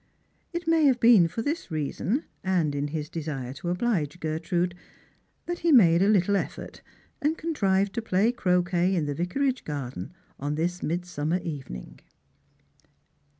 It may have been for this reason, and in his desire to oblige Gertrude, that he made a little effort, and contrived to play croquet in the Vicarage garden on this midsummer evening.